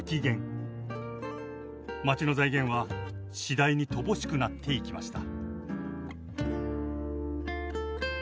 街の財源は次第に乏しくなっていきました。